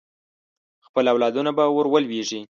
خپل اولادونه به ور ولېږي.